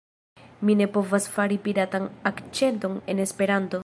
Mi ne povas fari piratan akĉenton en Esperanto